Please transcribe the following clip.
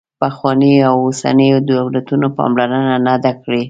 پخوانیو او اوسنیو دولتونو پاملرنه نه ده کړې.